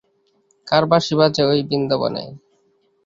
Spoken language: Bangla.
কার বাঁশি ওই বাজে বৃন্দাবনে।